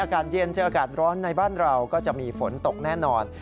อากาศเย็นเจออากาศร้อนในบ้านเราก็จะมีฝนตกแน่นอน